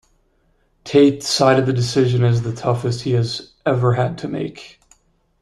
Tate cited the decision as the "toughest he has ever had to make".